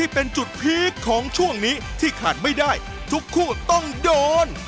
เป็นจุดพีคของช่วงนี้ที่ขาดไม่ได้ทุกคู่ต้องโดน